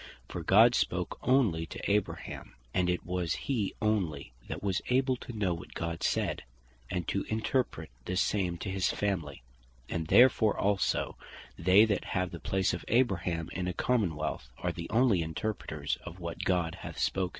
For God spake onely to Abraham; and it was he onely, that was able to know what God said, and to interpret the same to his family: And therefore also, they that have the place of Abraham in a Common wealth, are the onely Interpreters of what God hath spoken.